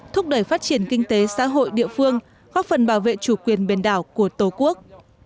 thúc đẩy phát triển kinh tế xã hội địa phương góp phần bảo vệ chủ quyền biển đảo của tổ quốc